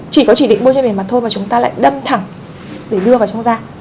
chỉ có chỉ định bôi trên bề mặt thôi mà chúng ta lại đâm thẳng để đưa vào trong da